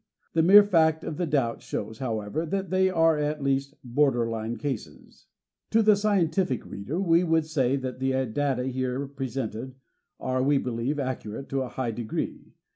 The mere fact of the doubt shows, however, that they are at least border line cases. To the scientific reader we would say that the data x PREFACE here presented are, we believe, accurate to a high de gree.